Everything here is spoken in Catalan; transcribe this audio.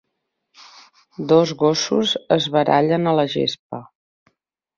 Dos gossos es barallen a la gespa.